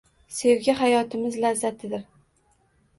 Sevgi hayotimiz lazzatidir.